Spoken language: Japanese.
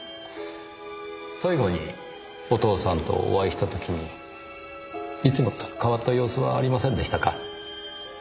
最後にお父さんとお会いした時にいつもと変わった様子はありませんでしたか？